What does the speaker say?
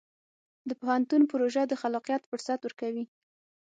د پوهنتون پروژه د خلاقیت فرصت ورکوي.